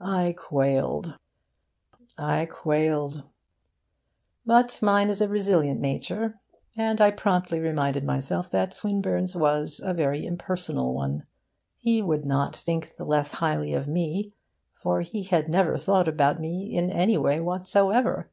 I quailed, I quailed. But mine is a resilient nature, and I promptly reminded myself that Swinburne's was a very impersonal one: he would not think the less highly of me, for he never had thought about me in any way whatsoever.